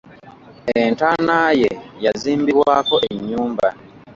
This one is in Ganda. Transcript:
Entaana ye yazimbibwako ennyumba.